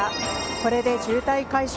これで渋滞解消？